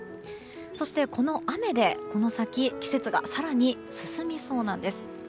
そして、この雨で、この先季節が更に進みそうなんです。